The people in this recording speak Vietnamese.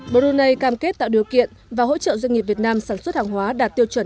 brunei cam kết tạo điều kiện và hỗ trợ doanh nghiệp việt nam sản xuất hàng hóa đạt tiêu chuẩn